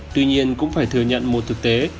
tuy nhiên cũng phải thừa nhận một thực tế